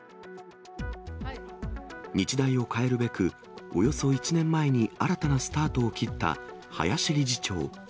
日大を変えるべく、およそ１年前に新たなスタートを切った林理事長。